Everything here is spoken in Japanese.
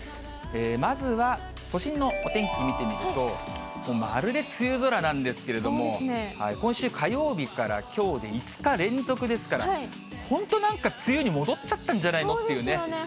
まずは都心のお天気見てみると、まるで梅雨空なんですけれども、今週火曜日からきょうで５日連続ですから、本当、なんか梅雨に戻そうですよね、本当に。